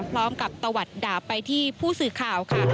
พร้อมกับตวรรษดาบไปที่ผู้สื่อข่าวค่ะ